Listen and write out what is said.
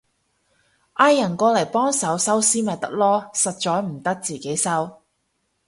嗌人過嚟幫手收屍咪得囉，實在唔得自己收